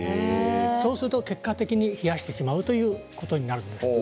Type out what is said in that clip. そうすると結果的に冷やしてしまうということになるんです。